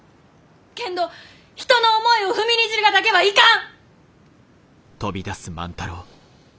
けんど人の思いを踏みにじるがだけはいかん！